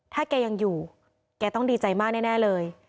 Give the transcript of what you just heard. ถ้าแกยังอยู่แกต้องดีใจมากแน่เลย